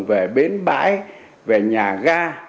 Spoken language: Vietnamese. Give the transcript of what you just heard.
về bến bãi về nhà ga